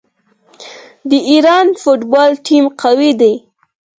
د ایران فوټبال ټیم قوي دی.